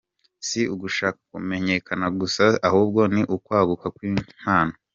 Si ugushaka kumenyekana gusa ahubwo ni no kwaguka kw’impano.